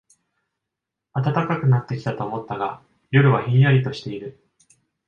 暖かくなってきたと思ったが、夜はひんやりとしている